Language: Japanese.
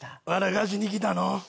わらかしに来たの？